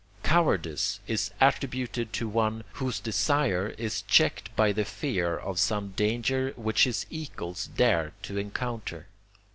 Cowardice is attributed to one, whose desire is checked by the fear of some danger which his equals dare to encounter.